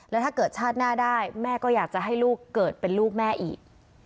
แล้วถ้าเกิดชาติหน้าได้แม่ก็อยากจะให้ลูกเกิดเป็นลูกแม่อีก